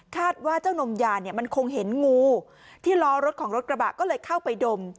ว่าเจ้านมยาเนี่ยมันคงเห็นงูที่ล้อรถของรถกระบะก็เลยเข้าไปดม